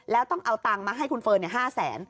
แล้วต้องเอาตังค์มาให้คุณเฟิร์น๕แสน